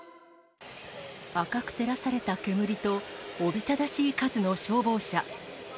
赤く照らされた煙と、おびただしい数の消防車。